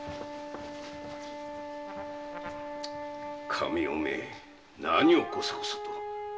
神尾め何をコソコソと。